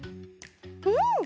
うん！